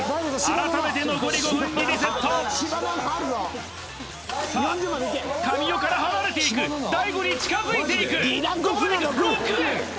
改めて残り５分にリセットさあ神尾から離れていく大悟に近づいていくここで６円！